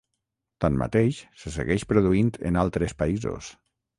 Tanmateix se segueix produint en altres països.